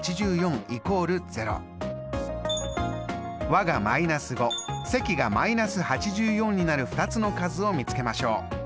和が−５積が−８４になる２つの数を見つけましょう。